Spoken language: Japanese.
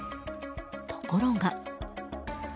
ところが。